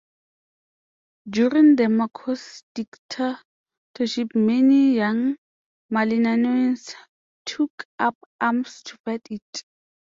During the Marcos dictatorship, many young Malinaonons took up arms to fight it.